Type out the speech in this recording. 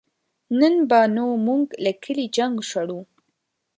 نن به نو مونږ له کلي جنګ شړو